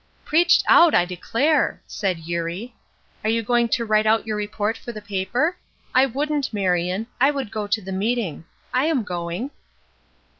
"Preached out, I declare!" said Eurie. "Are you going to write out your report for the paper? I wouldn't, Marion. I would go to the meeting. I am going."